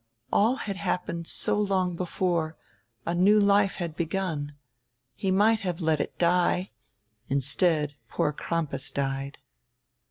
All had happened so long before, a new life had begun — he might have let it die; instead poor Crampas died.